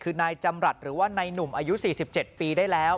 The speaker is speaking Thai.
คือนายจำรัฐหรือว่านายหนุ่มอายุ๔๗ปีได้แล้ว